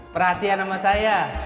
perhatian sama saya